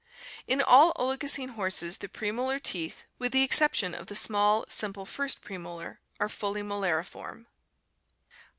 In all Oli gocene horses the premolar teeth, with the ex ception of the small, simple, first premolar, are fully molariform.